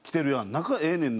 仲ええねんな」。